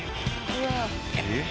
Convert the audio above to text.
えっ！